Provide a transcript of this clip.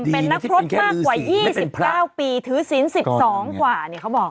เป็นนักพรสมากกว่า๒๙ปีถือศิลป์๑๒กว่าเขาบอก